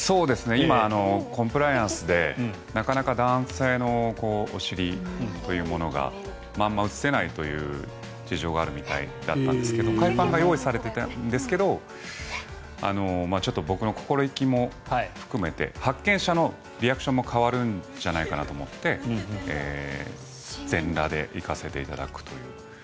今、コンプライアンスでなかなか男性のお尻というものがまんま映せないという事情があるみたいだったんですけど海パンが用意されてたんですけどちょっと僕の心意気も含めて発見者のリアクションも変わるんじゃないかなと思って全裸で行かせていただくという。